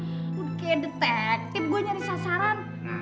lo kaya detektif gue nyari sasaran